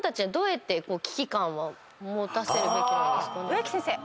植木先生。